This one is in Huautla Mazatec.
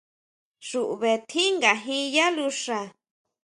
Xuʼbe tjín ngajin yá luxa.